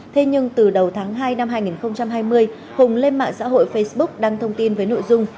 thế nhưng từ đầu tháng hai năm hai nghìn hai mươi hùng lên mạng xã hội facebook đăng thông tin với nội dung